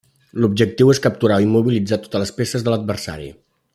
L'objectiu és capturar o immobilitzar totes les peces de l'adversari.